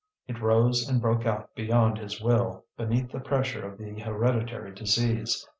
It rose and broke out beyond his will, beneath the pressure of the hereditary disease.